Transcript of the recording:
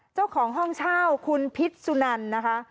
เจ้าของห้องเช่าคุณพิษสุนันนะคะ